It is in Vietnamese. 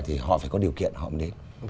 thì họ phải có điều kiện họ mới đến